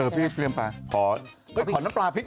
พี่เรียกว่าพริกน้ำปลาพริก